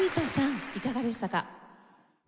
いかがでしたか？